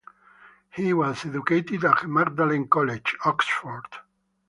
He was educated at Magdalen College, Oxford.